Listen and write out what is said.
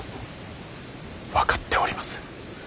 分かっております。